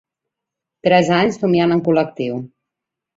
Tres anys somiant en col·lectiu.